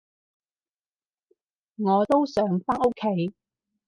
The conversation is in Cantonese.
我都想返屋企